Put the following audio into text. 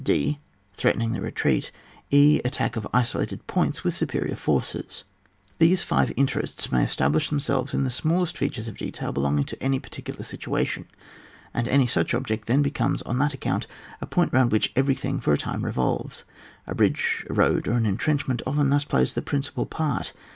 (rf.) Threatening the retreat. («.) Attack of isolated points with su perior forces. These five interests may establish themselves in the smallest features of detail belonging to any particular situa tion ; and any such object then becomes, on that account, a point round which everything for a time revolves. A bridge, a road, or an entrenchment, often thus plays the principal part.